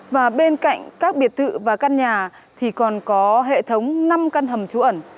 và bên cạnh các biệt thự và căn nhà thì còn có hệ thống năm căn hầm trú ẩn